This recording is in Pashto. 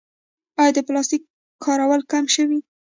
آیا د پلاستیک کارول کم شوي؟